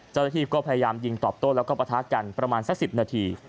เจ้าตระธิก็พยายามยิงต่อต้นแล้วก็ประทะกันประมาณ๓๐นาที